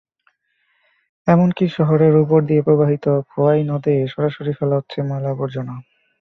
এমনকি শহরের ওপর দিয়ে প্রবাহিত খোয়াই নদে সরাসরি ফেলা হচ্ছে ময়লা-আবর্জনা।